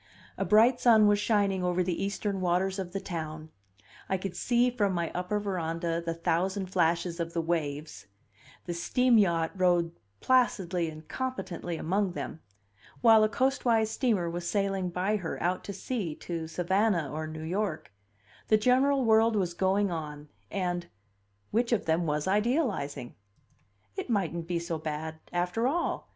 A bright sun was shining over the eastern waters of the town, I could see from my upper veranda the thousand flashes of the waves; the steam yacht rode placidly and competently among them, while a coastwise steamer was sailing by her, out to sea, to Savannah, or New York; the general world was going on, and which of them was idealizing? It mightn't be so bad, after all.